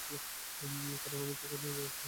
কারন আমি তোকে নিয়ে বিরক্ত হয়ে গেছি!